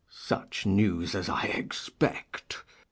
_ Such news as I expect.